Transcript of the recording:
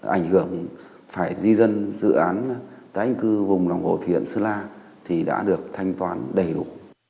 ảnh hưởng phải di dân dự án tái định cư vùng đồng hồ thuyền sơn la thì đã được thanh toàn đầy đủ